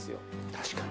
確かに。